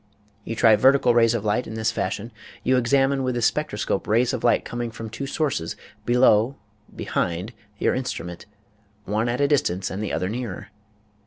You try vertical rays of light in this fash ion: You examine with the spectroscope rays of light coming from two sources below (behind) your instru ment, one at a distance and the other nearer.